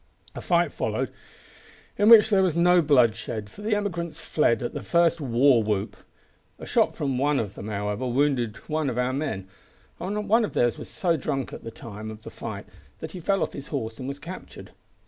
A fight followed in which there was no bloodshed, for the emigrants fled at the first war whoop. A shot from one of them, however, wounded one of our men, and one of theirs was so drunk at the time of the flight that he fell off his horse and was captured.